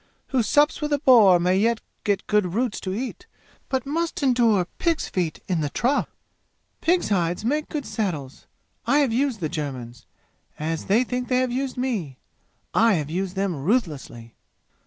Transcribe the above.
Who sups with a boar may get good roots to eat, but must endure pigs' feet in the trough! Pigs' hides make good saddles; I have used the Germans, as they think they have used me! I have used them ruthlessly.